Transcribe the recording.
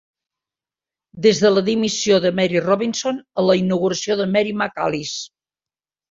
Des de la dimissió de Mary Robinson a la inauguració de Mary McAleese.